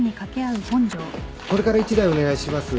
これから１台お願いします。